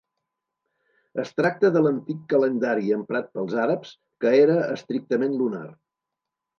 Es tracta de l'antic calendari emprat pels àrabs, que era estrictament lunar.